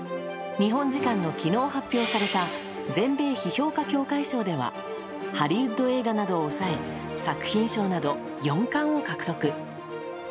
日本時間の昨日発表された全米批評家協会賞ではハリウッド映画などを抑え作品賞など４冠を獲得。